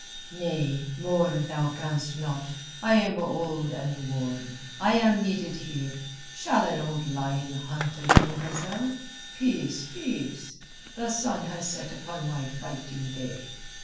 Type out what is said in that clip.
"Nay, more thou canst not. I am old and worn, and I am needed here. Shall an old lion hunt a young gazelle? Peace, peace! The sun has set upon my fighting day.